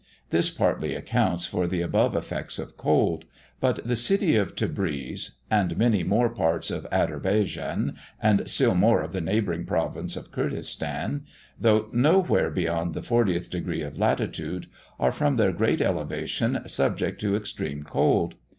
This partly accounts for the above effects of cold; but the city of Tebreez, and many more parts of Aderbejan, and still more of the neighbouring province of Kûrdistan, though nowhere beyond the 40th degree of latitude, are, from their great elevation, subject to extreme cold.